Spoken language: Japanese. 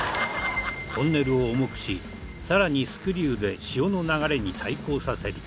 トンネルを重くしさらにスクリューで潮の流れに対抗させる。